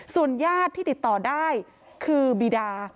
ส่วนญาติที่ติดต่อได้คือบีดา